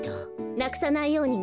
なくさないようにね。